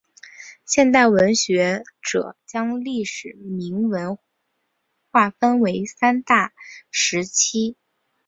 现代学者将历代铭文划分为三个大时期。